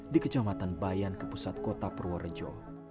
di kecamatan bayan ke pusat kota purworejo